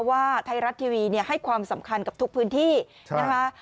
ว่าไทยรัฐทีวีให้ความสำคัญกับทุกพื้นที่นะคะ